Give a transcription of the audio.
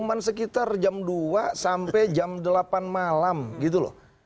maksudnya itu di antar jam dua sampai jam delapan malam gitu loh